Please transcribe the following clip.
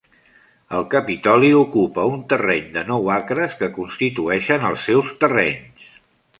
El capitoli ocupa un terreny de nou acres que constitueixen els seus terrenys.